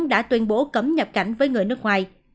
đã tuyên bố cấm nhập cảnh với người nước ngoài